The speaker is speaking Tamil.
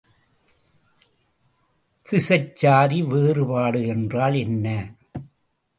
திசைச்சாரி வேறுபாடு என்றால் என்ன?